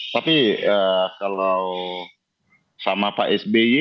tapi kalau sama pak sby